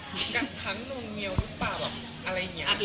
แบบกัดขังหนูเงียวอะไรอย่างนี้